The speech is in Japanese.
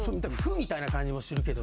麩みたいな感じもするけど。